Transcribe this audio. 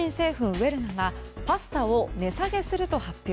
ウェルナがパスタを値下げすると発表。